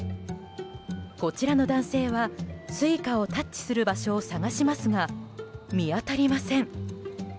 こちらの男性はＳｕｉｃａをタッチする場所を探しますが見当たりません。